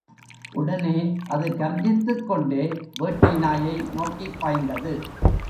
உடனே, அது கர்ஜித்துக் கொண்டே வேட்டை நாயை நோக்கிப் பாய்ந்தது.